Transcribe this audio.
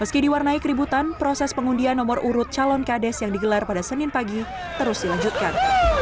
meski diwarnai keributan proses pengundian nomor urut calon kades yang digelar pada senin pagi terus dilanjutkan